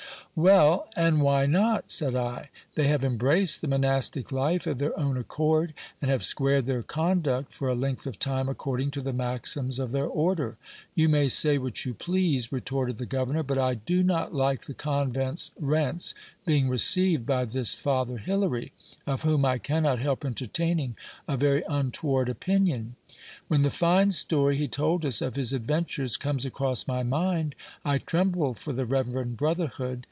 Well ! and why not? said I. They have embraced the monastic life of their own accord, and have squared their conduct for a length of time according to the maxims of their order. You may say what you please, retorted the governor ; but I do not like the convent's rents being received by this father Hilary, of whom I cannot help entertaining a very untoward opinion. When the fine story he told us of his adventures comes across my mind, I tremble for the reverend brotherhood.